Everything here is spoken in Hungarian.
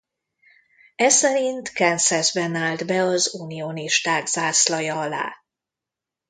E szerint Kansasban állt be az unionisták zászlaja alá.